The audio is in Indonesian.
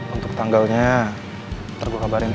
untuk tanggalnya ntar gue kabarin ya